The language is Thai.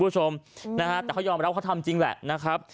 แต่เขายอมรับว่าเขาทำจริงแหละนะครับ